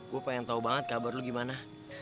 gue pengen tau banget kabar lo gimana